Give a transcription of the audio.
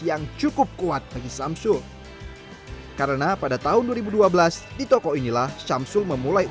ada di produksi sana